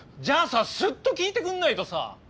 じゃあさすっと聴いてくんないとさ！